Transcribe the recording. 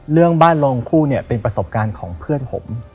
เรื่องบ้านโรงคู่เนี่ยเป็นประสบการณ์ของเพื่อนผม